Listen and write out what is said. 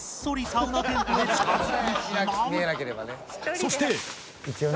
そして